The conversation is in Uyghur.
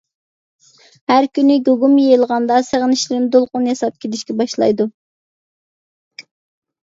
ھەر كۈنى گۇگۇم يېيىلغاندا، سېغىنىشلىرىم دولقۇن ياساپ كېلىشكە باشلايدۇ.